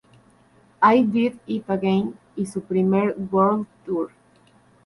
I Did It Again" y su primer World Tour.